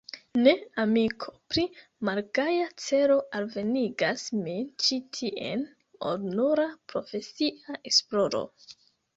Ne, amiko, pli malgaja celo alvenigas min ĉi tien, ol nura profesia esploro.